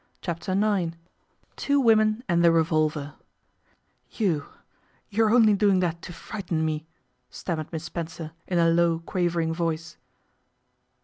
Chapter Nine TWO WOMEN AND THE REVOLVER 'YOU you're only doing that to frighten me,' stammered Miss Spencer, in a low, quavering voice.